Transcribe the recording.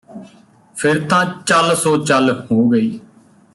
ਫਿਰ ਤਾਂ ਚੱਲ ਸੋ ਚੱਲ ਹੋ ਗਈ